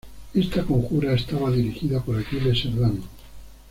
Esta conjura estaba dirigida por Aquiles Serdán.